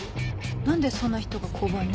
何でそんな人が交番に？